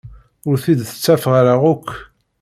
Ur t-id-tettafeḍ ara akk.